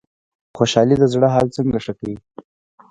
خوشحالي د زړه حال څنګه ښه کوي؟